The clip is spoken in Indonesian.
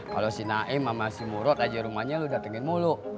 kalau si naim sama si murod aja rumahnya lu datengin mulu